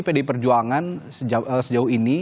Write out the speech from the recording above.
pdi perjuangan sejauh ini